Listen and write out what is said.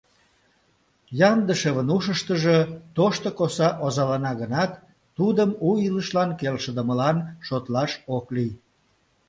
Яндышевын ушыштыжо тошто коса озалана гынат, тудым у илышлан келшыдымылан шотлаш ок лий.